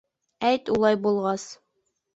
— Әйт, улай булғас!